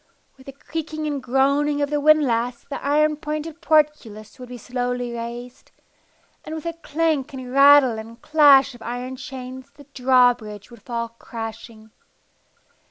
With the creaking and groaning of the windlass the iron pointed portcullis would be slowly raised, and with a clank and rattle and clash of iron chains the drawbridge would fall crashing.